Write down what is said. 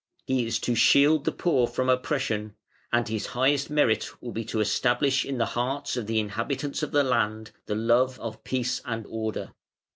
He is to shield the poor from oppression, and his highest merit will be to establish in the hearts of the inhabitants of the land the love of peace and order.